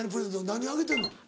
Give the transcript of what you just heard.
何あげてんの？